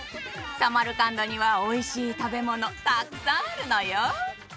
サマルカンドにはおいしい食べ物たっくさんあるのよ。